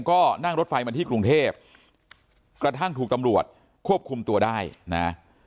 ก็นั่งรถไฟมาที่กรุงเทพกระทั่งถูกตำรวจควบคุมตัวได้นะ